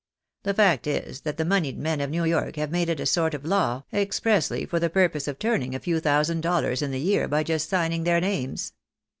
The fact is, that the monied men of New York have made it a sort of law, ex pressly for the purpose of turning a few thousand dollars in the year by just signing their names."